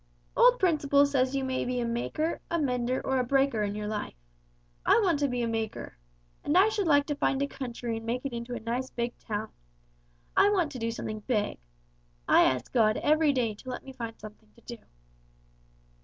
"Old Principle says you may be a maker, a mender, or a breaker in your life. I want to be a maker. And I should like to find a country and make it into a nice big town. I want to do something big. I ask God every day to let me find something to do."